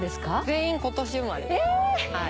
全員今年生まれ。え！